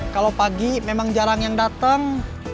kalau pagi memang jarang yang datang